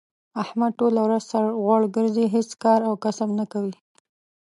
احمد ټوله ورځ سر غوړ ګرځی، هېڅ کار او کسب نه کوي.